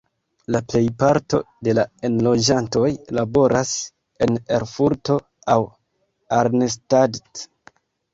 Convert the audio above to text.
La plejparto de la enloĝantoj laboras en Erfurto aŭ Arnstadt.